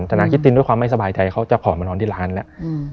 นาคิตตินด้วยความไม่สบายใจเขาจะผ่อนมานอนที่ร้านแล้ว